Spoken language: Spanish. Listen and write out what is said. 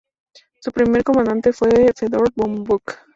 Su primer comandante fue Fedor von Bock.